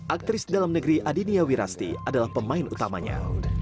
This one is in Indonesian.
aktris dalam negeri adinia wirasti adalah pemain utamanya